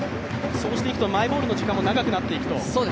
そうするとマイボールの時間も長くなっていくと。